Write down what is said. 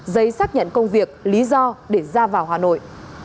giấy xác nhận công việc lý do để ra vào hà nội